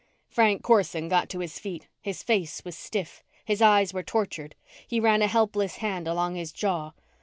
Frank Corson got to his feet. His face was stiff. His eyes were tortured. He ran a helpless hand along his jaw.